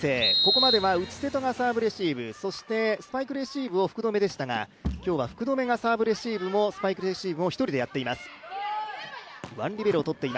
ここまでは内瀬戸がサーブレシーブ、そしてスパイクレシーブを福留でしたが今日は福留がサーブレシーブもスパイクレシーブも一人でやっています。